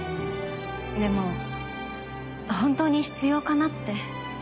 でも本当に必要かなって。